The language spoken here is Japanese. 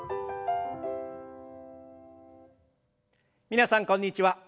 皆さんこんにちは。